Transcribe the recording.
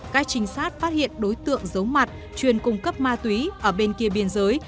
các trinh sát phát hiện đối tượng giấu mặt chuyên cung cấp ma túy ở bên kia biên giới